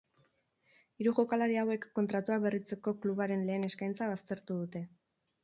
Hiru jokalari hauek kontratua berritzeko klubaren lehen eskaintza baztertu dute.